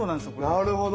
なるほど。